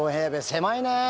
狭いね。